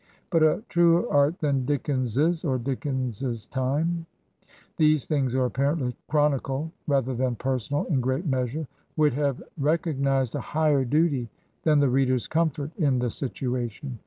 But a truer art than Dickens's, or Dickens's time (these things are apparently chronical, rather than personal, in great measure), would have recognized a higher duty than the reader's comfort in the situation.